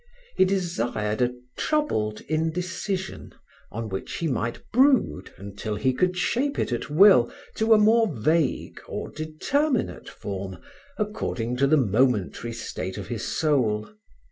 He desired a troubled indecision on which he might brood until he could shape it at will to a more vague or determinate form, according to the momentary state of his soul.